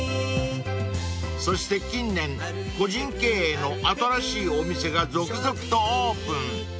［そして近年個人経営の新しいお店が続々とオープン］